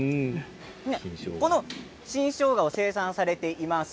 この新しょうがを生産されています。